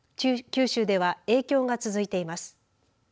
九州では影響が続いています。